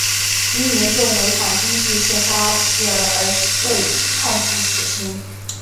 因严重违反军纪射杀妻儿而被判处死刑。